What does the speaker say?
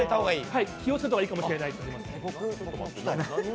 気を付けた方がいいかもしれないと思います。